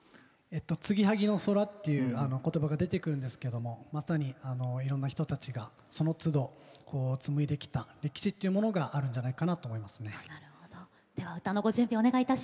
つぎはぎの空っていうことばがでてくるんですけどまさにいろんな人たちがそのつど、紡いできた歴史というものがあるんじゃないかなと思います。